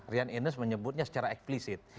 rian ines menyebutnya secara eksplisit